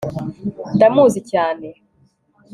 ndamuzi cyane